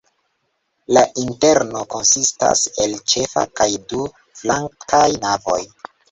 La interno konsistas el ĉefa kaj du flankaj navoj.